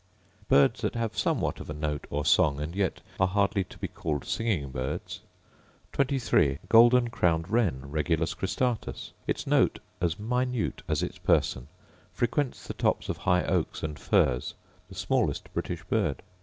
Birds that have somewhat of a note or song, and yet are hardly to be called singing birds: 23. Golden crowned wren, Regulus cristatus: Its note as minute as its person; frequents the tops of high oaks and firs; the smallest British bird.